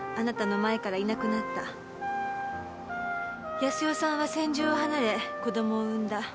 康代さんは千住を離れ子供を産んだ。